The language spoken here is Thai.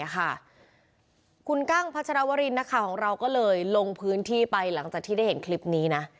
คุณกั้งพัชรวรินนักข่าวของเราก็เลยลงพื้นที่ไปหลังจากที่ได้เห็นคลิปนี้นะ